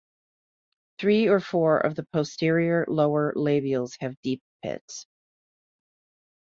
Three or four of the posterior lower labials have deep pits.